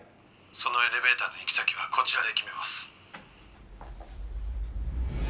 「そのエレベーターの行き先はこちらで決めます」